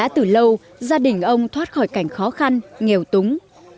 từ lâu gia đình ông thoát khỏi cảnh khó khăn nghèo túng